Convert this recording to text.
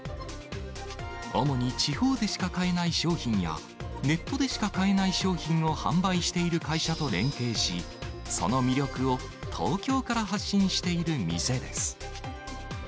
主に地方でしか買えない商品や、ネットでしか買えない商品を販売している会社と連携し、その魅力を東京から発信している店です。